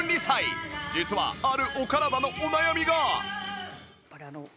実はあるお体のお悩みが